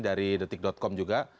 dari detik com juga